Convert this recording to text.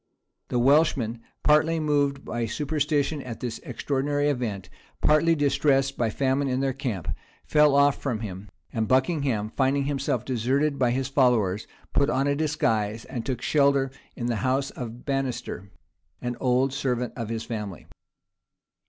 The Welshmen, partly moved by superstition at this extraordinary event, partly distressed by famine in their camp, fell off from him; and Buckingham, finding himself deserted by his followers, put on a disguise, and took shelter in the house of Banister, an old servant of his family.